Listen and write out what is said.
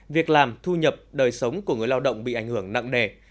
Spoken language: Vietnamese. việc làm thu nhập đời sống của người lao động bị ảnh hưởng nặng nề